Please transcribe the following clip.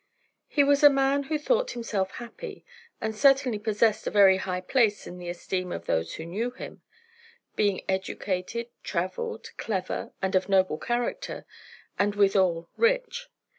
He was a man who thought himself happy, and certainly possessed a very high place in the esteem of those who knew him; being educated, travelled, clever, and of noble character, and withal rich.